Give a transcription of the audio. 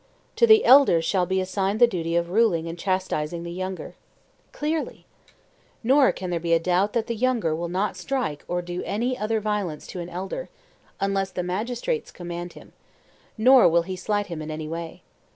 To the elder shall be assigned the duty of ruling and chastising the younger. Clearly. Nor can there be a doubt that the younger will not strike or do any other violence to an elder, unless the magistrates command him; nor will he slight him in any way.